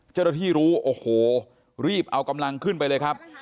เจ้าหน้าที่รู้โอ้โหรีบเอากำลังขึ้นไปเลยครับ